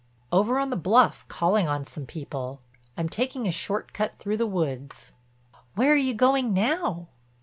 "Over on the bluff, calling on some people. I'm taking a short cut through the woods." "Where are you going now?"